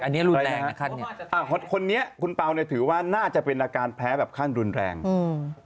อันนี้รุนแรงนะคะเนี้ยอ่าคนนี้คุณเปล่าเนี้ยถือว่าน่าจะเป็นอาการแพ้แบบขั้นรุนแรงอืม